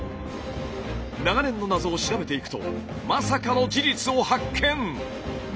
長年の謎を調べていくとまさかの事実を発見！